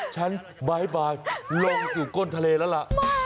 ฉันบายลงสู่ก้นทะเลล่ะล่ะ